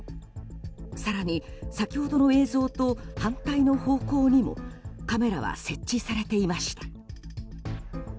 更に先ほどの映像と反対の方向にもカメラは設置されていました。